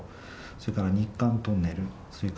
それから、日韓トンネル。